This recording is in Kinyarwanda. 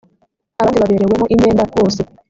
abandi baberewemo imyenda bose